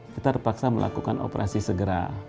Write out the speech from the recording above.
kita terpaksa melakukan operasi segera